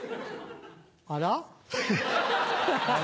あら？